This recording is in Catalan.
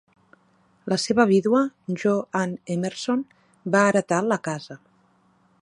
La seva vídua, Jo Ann Emerson, va heretar la Casa.